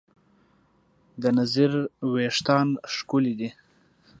د نذیر وېښتیان ښکلي دي.